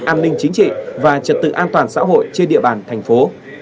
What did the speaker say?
an ninh chính trị và trật tự an toàn xã hội trên địa bàn thành phố